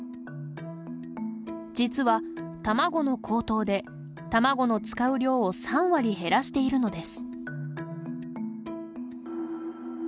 実は卵の高騰で、卵の使う量を３割減らしているのです。